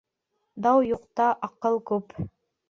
Дау юҡта аҡыл күп.